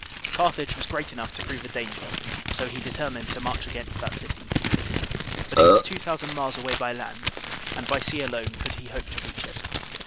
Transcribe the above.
Carthage was great enough to prove a danger, so he determined to march against that city. But it was two thousand miles away by land, and by sea alone could he hope to reach it.